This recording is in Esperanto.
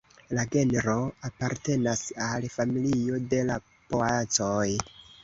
La genro apartenas al familio de la poacoj.